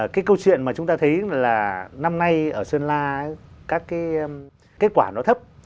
cái câu chuyện mà chúng ta thấy là năm nay ở sơn la các cái kết quả nó thấp